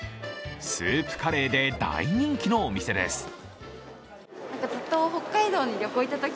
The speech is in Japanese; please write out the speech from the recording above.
スープカレーで大人気のお店です。